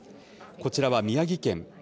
こちらは宮城県。